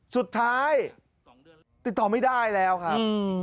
สุดท้ายติดต่อไม่ได้แล้วครับ